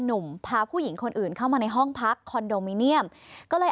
หนุ่มพาผู้หญิงคนอื่นเข้ามาในห้องพักคอนโดมิเนียมก็เลย